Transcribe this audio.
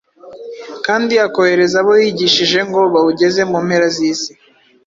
kandi akohereza abo yigishije ngo bawugeze mu mpera z‟isi